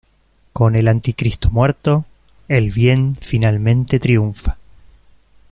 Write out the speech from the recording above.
Con el Anticristo muerto, el bien finalmente triunfa.